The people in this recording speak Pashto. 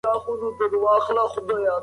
موږ منابع يو ځای کوو.